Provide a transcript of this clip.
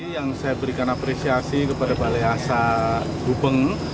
yang saya berikan apresiasi kepada balai asa gubeng